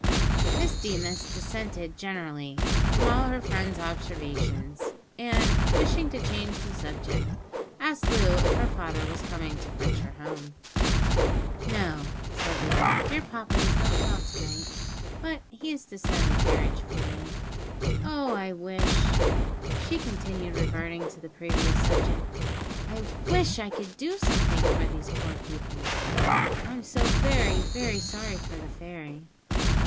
Miss Deemas dissented generally from all her friend's observations, and, wishing to change the subject, asked Loo if her father was coming to fetch her home. "No," said Loo; "dear papa is not well to night, but he is to send the carriage for me. Oh, I wish," she continued, reverting to the previous subject, "I wish I could do something for these poor people. I'm so very, very sorry for the fairy."